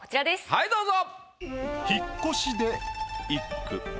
はいどうぞ。